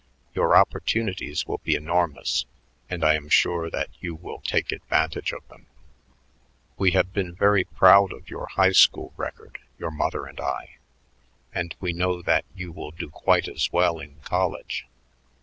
Your opportunities will be enormous, and I am sure that you will take advantage of them. We have been very proud of your high school record, your mother and I, and we know that you will do quite as well in college.